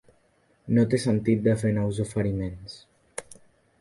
No té sentit de fer nous oferiments.